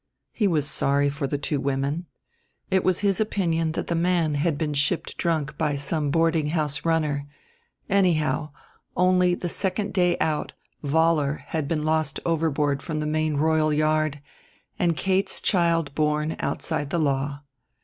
He was sorry for the two women. It was his opinion that the man had been shipped drunk by some boarding house runner; anyhow, only the second day out Vollar had been lost overboard from the main royal yard, and Kate's child born outside the law.